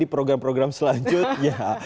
di program program selanjutnya